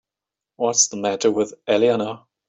What's the matter with Eleanor?